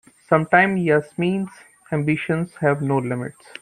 Sometimes Yasmin's ambitions have no limits.